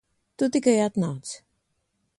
Tu tikai atnāc.